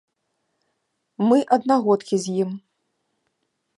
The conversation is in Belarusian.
Мы аднагодкі з ім.